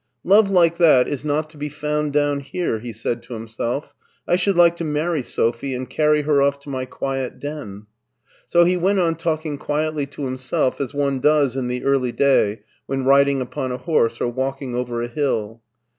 "Love like that is not to be found down here,'* he said to himself. " I should like to marry Sophie and carry her off to my quiet den.'' So he went on talking quietly to himself as one does in the early day when riding upon a horse or walking over a hill.